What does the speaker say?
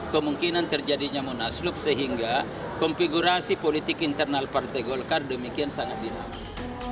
kemungkinan terjadinya munaslup sehingga konfigurasi politik internal partai golkar demikian sangat dinamis